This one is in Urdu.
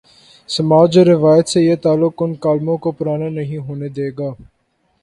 سماج اور روایت سے یہ تعلق ان کالموں کوپرانا نہیں ہونے دے گا۔